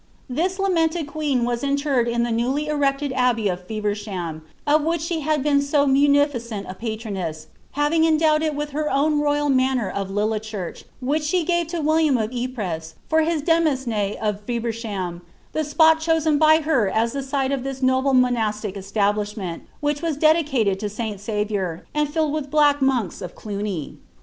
This lamented queen was interred in the newly erected abbey of Fe ffcrsham, of which she had been so munificent a patroness, having endowed it with her own royal manor of Lillechurch, which she gave to William of Ypres for his demesne of Feversham, the spot chosen by her as the site of this noble monastic establishment, which was dedi cated to St Saviour, and filled with black monks of Ouni.